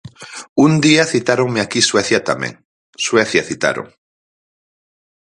Un día citáronme aquí Suecia tamén, Suecia citaron.